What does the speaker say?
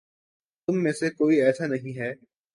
تم میں سے کوئی ایسا نہیں ہے